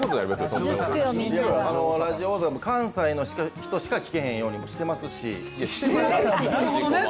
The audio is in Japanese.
ラジオ大阪は関西の人しか聞けへんようにしてますし。